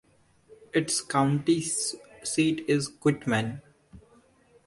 Its county seat is Quitman.